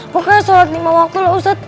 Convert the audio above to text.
pokoknya salat lima waktu lah ustadz